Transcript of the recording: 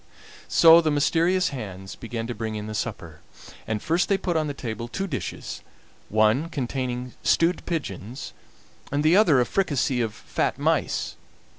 So the mysterious hands began to bring in the supper, and first they put on the table two dishes, one containing stewed pigeons and the other a fricassee of fat mice.